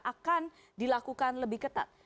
akan dilakukan lebih ketat